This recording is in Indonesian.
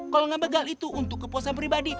kalau ngebegal itu untuk kepuasan pribadi